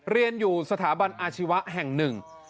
เรียนอยู่สถาบันอาชีวะแห่งหนึ่ง